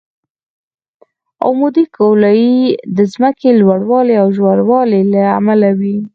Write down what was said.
عمودي ګولایي د ځمکې د لوړوالي او ژوروالي له امله وي